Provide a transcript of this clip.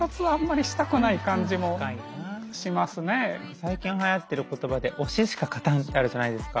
最近はやってる言葉で推ししか勝たんってあるじゃないですか。